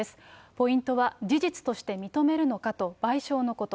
ポイントは事実として認めるのかと、賠償のこと。